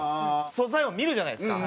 素材を見るじゃないですか。